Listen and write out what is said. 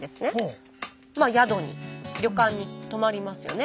まあ宿に旅館に泊まりますよね。